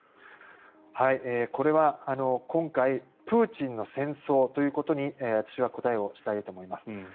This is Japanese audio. これは今回プーチンの戦争ということに私は答えをしたいと思います。